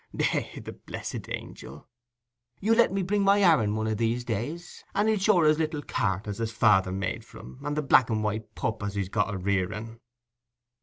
Eh, the blessed angil! You'll let me bring my Aaron one o' these days, and he'll show her his little cart as his father's made for him, and the black and white pup as he's got a rearing."